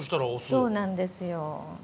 そうなんですよ。